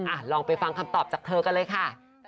ลองไปฟังคำตอบจากเธอกันเลยค่ะ